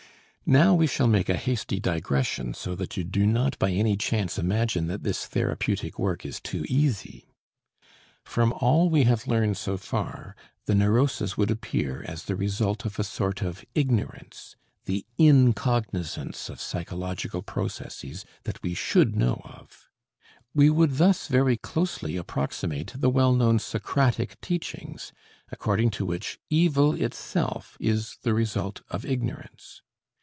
Now we shall make a hasty digression so that you do not by any chance imagine that this therapeutic work is too easy. From all we have learned so far, the neurosis would appear as the result of a sort of ignorance, the incognizance of psychological processes that we should know of. We would thus very closely approximate the well known Socratic teachings, according to which evil itself is the result of ignorance.